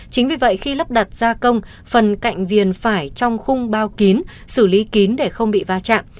chính vì vậy khi lắp đặt ra công phần cạnh viền phải trong khung bao kính xử lý kính để không bị va chạm